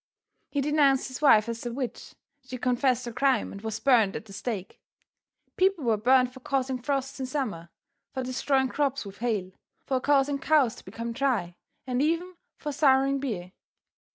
He denounced his wife as a witch, she confessed the crime and was burned at the stake. People were burned for causing frosts in the summer, for destroying crops with hail, for causing cows to become dry, and even for souring beer.